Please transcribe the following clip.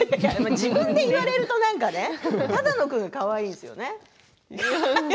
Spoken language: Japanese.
自分で言われると何かね只野君はかわいいですよね